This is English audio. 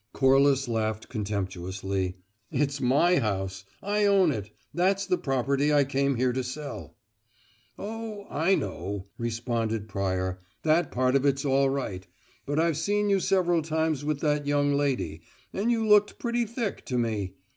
Corliss laughed contemptuously. "It's my house. I own it. That's the property I came here to sell." "Oh, I know," responded Pryor. "That part of it's all right. But I've seen you several times with that young lady, and you looked pretty thick, to me.